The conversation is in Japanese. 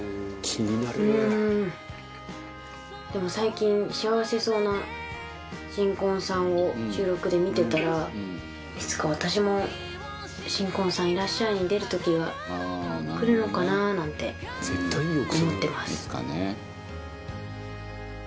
「気になる！」でも最近幸せそうな新婚さんを収録で見てたらいつか私も『新婚さんいらっしゃい！』に出る時が来るのかななんて思ってます。